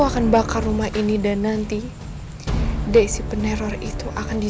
sampai jumpa di video selanjutnya